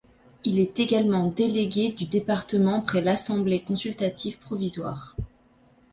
Il est également délégué du département près l'Assemblée consultative provisoire.